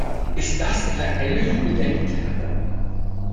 Ist das etwa Emily mit der Gitarre?